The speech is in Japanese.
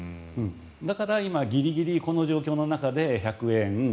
だから今、ギリギリこの状況の中で１００円